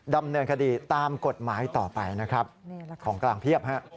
ดำเนินคดีตามกฎหมายต่อไปของกลางเพียบ